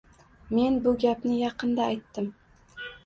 Men bu gapni yaqinda aytdim.